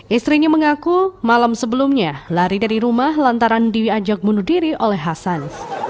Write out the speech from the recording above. istrinya mengaku malam sebelumnya lari dari rumah lantaran diajak bunuh diri oleh hasan